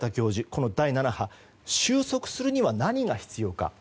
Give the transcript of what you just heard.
この第７波収束するには何が必要か。